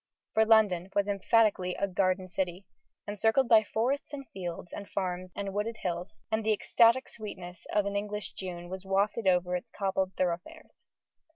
For London was emphatically a "garden city," encircled by forests, and fields, and farms, and wooded hills; and the ecstatic sweetness of an English June was wafted over its cobbled thoroughfares.